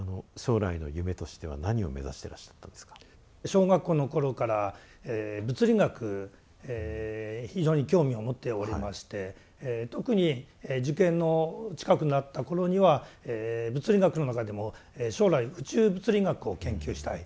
小学校の頃から物理学非常に興味を持っておりまして特に受験の近くなった頃には物理学の中でも将来宇宙物理学を研究したい